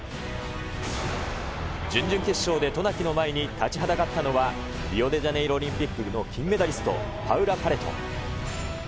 準々決勝で渡名喜の前に立ちはだかったのは、リオデジャネイロオリンピックの金メダリスト、パウラ・パレト。